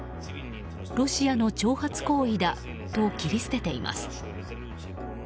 ロシアの挑発行為だと切り捨てています。